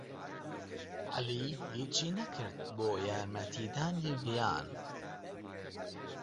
عەلی ھیچی نەکرد بۆ یارمەتیدانی ڤیان.